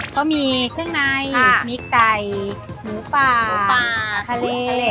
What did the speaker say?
ก็มีเครื่องในมีไก่หมูปลาทะเล